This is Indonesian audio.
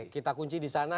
kita kunci di sana